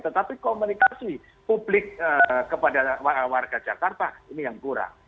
tetapi komunikasi publik kepada warga jakarta ini yang kurang